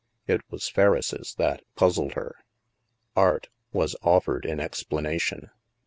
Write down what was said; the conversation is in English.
It was Ferriss' that puzzled her. "Art" was offered in explanation.